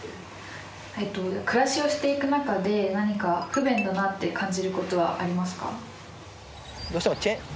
暮らしをしていく中で何か不便だなって感じることはありますか？